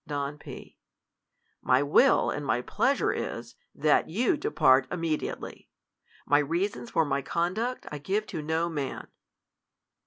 Don P. My will and pleasure is, that you depart immediately. My reasons for my conduct 1 give to no man.